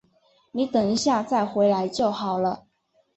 你等一下再回来就好了